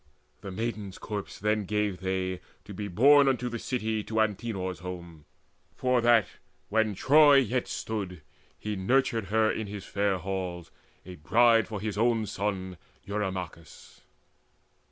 The maiden's corpse then gave they, to be borne Unto the city, to Antenor's home, For that, when Troy yet stood, he nurtured her In his fair halls, a bride for his own son Eurymachus.